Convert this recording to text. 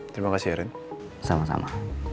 terima kasih arin sama sama